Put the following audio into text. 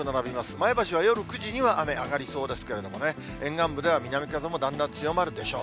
前橋は夜９時には雨上がりそうですけれどもね、沿岸部では南風もだんだん強まるでしょう。